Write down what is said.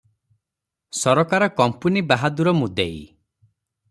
ସରକାର କମ୍ପୁନୀ ବାହାଦୂର ମୁଦେଇ ।